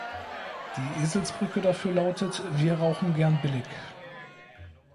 Die Eselsbrücke dafür lautete: Wir Rauchen Gern Billig.